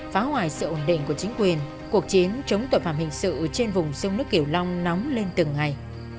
phá hoại sự ổn định của chính quyền cuộc chiến chống tội phạm hình sự trên vùng sông nước kiểu long nóng lên từng ngày